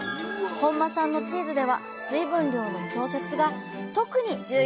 本間さんのチーズでは水分量の調節が特に重要なのです。